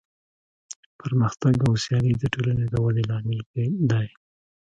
پرمختګ او سیالي د ټولنې د ودې لامل دی.